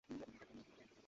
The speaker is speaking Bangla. আপনি কিছুই ধরতে পারেন নি।